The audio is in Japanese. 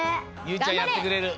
ゆうちゃんやってくれる。